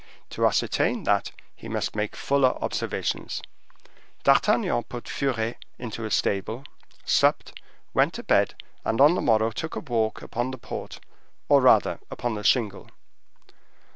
To ascertain that, he must make fuller observations. D'Artagnan put Furet into a stable; supped, went to bed, and on the morrow took a walk upon the port or rather upon the shingle.